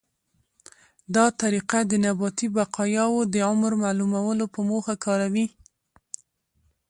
دا طریقه د نباتي بقایاوو د عمر معلومولو په موخه کاروي.